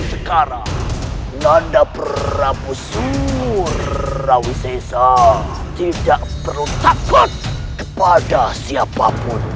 sekarang nanda prabu surrawisesa tidak perlu takut kepada siapapun